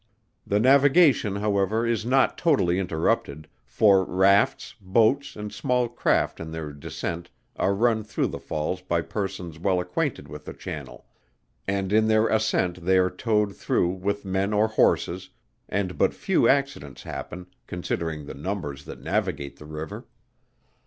The navigation, however, is not totally interrupted, for rafts, boats, and small craft in their descent are run through the falls by persons well acquainted with the channel; and in their ascent they are towed through with men or horses, and but few accidents happen, considering the numbers that navigate the river.